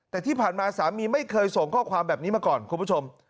แต่ที่ผ่านมาสามีไม่เคยส่งข้อความแบบนี้มาก่อนคุณผู้ชม